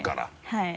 はい。